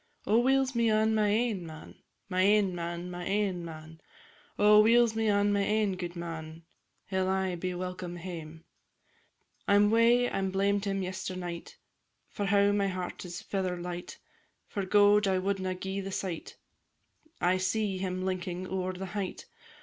"_ Oh, weel's me on my ain man, My ain man, my ain man! Oh, weel's me on my ain gudeman! He 'll aye be welcome hame. I 'm wae I blamed him yesternight, For now my heart is feather light; For gowd I wadna gie the sight; I see him linking ower the height.